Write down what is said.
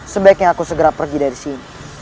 sebaiknya aku segera pergi dari sini